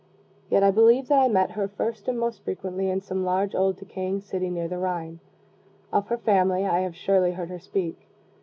Yet I believe that I met her first and most frequently in some large, old, decaying city near the Rhine. Of her family I have surely heard her speak.